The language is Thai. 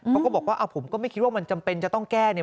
เขาก็บอกว่าผมก็ไม่คิดว่ามันจำเป็นจะต้องแก้เนี่ย